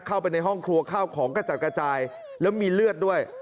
เข้าไปในห้องครัวข้าวของกระจัดกระจายแล้วมีเลือดด้วย